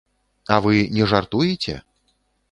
А вы не жартуеце?